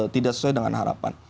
tidak sesuai dengan harapan